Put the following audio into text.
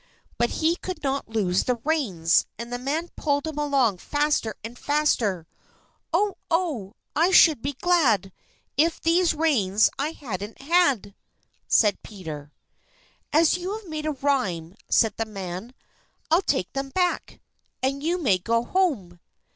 But he could not loose the reins, and the man pulled him along faster and faster. "Oh! oh! oh! I should be glad If these reins I hadn't had," said Peter. "As you have made a rhyme," said the man, "I'll take them back, and you may go home."